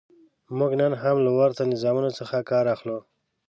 موږ نن هم له ورته نظامونو څخه کار اخلو.